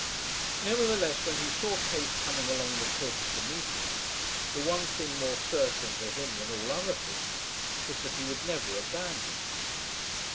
Nevertheless when he saw Kate coming along the cliffs to meet him, the one thing more certain to him than all other things was that he would never abandon her.